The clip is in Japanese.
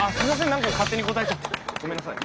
何か勝手に答えちゃってごめんなさい。